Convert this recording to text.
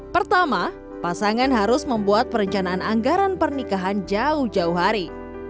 pertama pasangan harus membuat perencanaan anggaran pernikahan jauh jauh hari